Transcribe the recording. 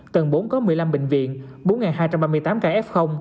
tầng bốn có một mươi năm bệnh viện bốn hai trăm ba mươi tám ca f